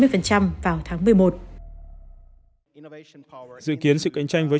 dự kiến sự cạnh tranh với chủ nghĩa năng lượng